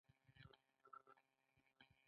څوک چې د سولې واک لري ګټې یې په جنګ کې دي.